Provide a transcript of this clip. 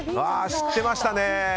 知ってましたね。